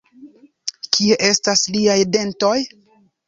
Kie estas liaj dentoj?